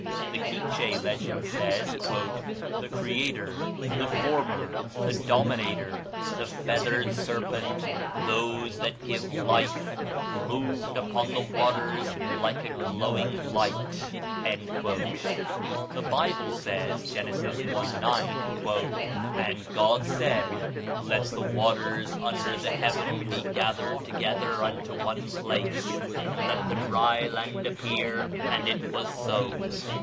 The Quiche legend says, "The Creator the Former, the Dominator the feathered serpent those that give life, moved upon the waters like a glowing light." The Bible says (Gen. i., 9), "And God said, Let the waters under the heaven be gathered together unto one place, and let the dry land appear: and it was so."